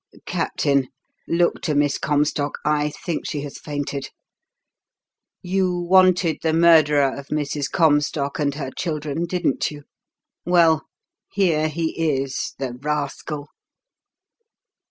Captain, look to Miss Comstock I think she has fainted. You wanted the murderer of Mrs. Comstock and her children, didn't you? Well, here he is, the rascal!"